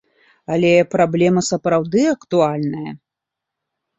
Але праблема сапраўды актуальная.